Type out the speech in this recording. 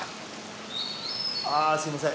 あぁすみません